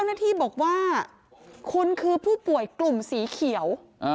เจ้าหน้าที่บอกว่าคุณคือผู้ป่วยกลุ่มสีเขียว